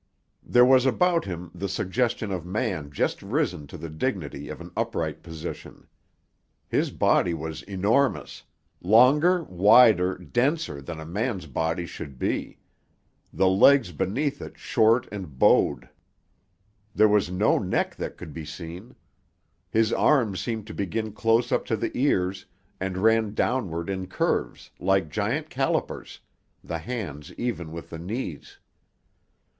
There was about him the suggestion of man just risen to the dignity of an upright position. His body was enormous—longer, wider, denser than a man's body should be; the legs beneath it short and bowed. There was no neck that could be seen. His arms seemed to begin close up to the ears, and ran downward in curves, like giant calipers, the hands even with the knees.